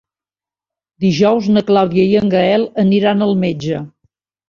Dijous na Clàudia i en Gaël aniran al metge.